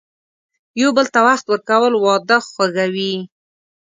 یو بل ته وخت ورکول، واده خوږوي.